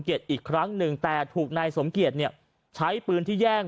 อีกครั้งหนึ่งแต่ถูกนายสมเกียจเนี่ยใช้ปืนที่แย่ง